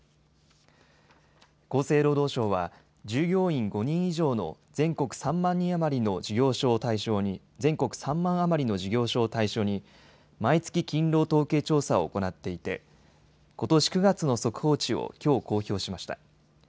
厚生労働省は従業員５人以上の全国３万人余りの事業所を対象に全国３万余りの事業所を対象に毎月勤労統計調査を行っていてことし９月の速報値をきょう公表しました。